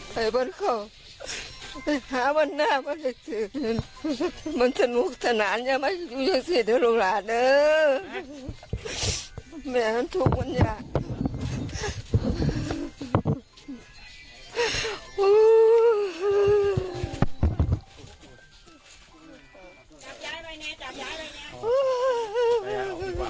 มันจะนุกจะนานอย่างมากอย่างสุดอย่างสุดอย่างหลังละเนอะ